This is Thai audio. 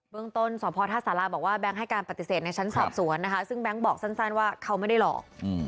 เมืองต้นสพท่าสาราบอกว่าแก๊งให้การปฏิเสธในชั้นสอบสวนนะคะซึ่งแบงค์บอกสั้นว่าเขาไม่ได้หลอก